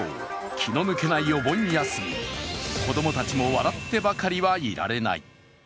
気の抜けないお盆休み子供たちも笑ってばかりはいられない。